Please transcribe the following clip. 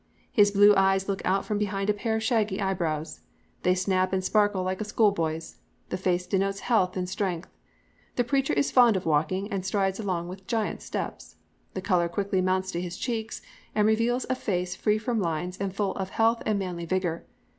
His blue eyes look out from behind a pair of shaggy eyebrows. They snap and sparkle like a schoolboy's. The face denotes health and strength. The preacher is fond of walking and strides along with giant steps. The colour quickly mounts to his cheeks and reveals a face free from lines and full of health and manly vigour.